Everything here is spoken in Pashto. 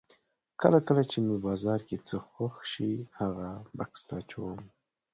کله کله چې مې بازار کې څه خوښ شي هغه بکس ته اچوم.